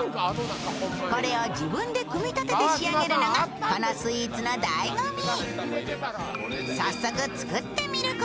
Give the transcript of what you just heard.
これを自分で組み立てて仕上げるのがこのスイーツのだいご味。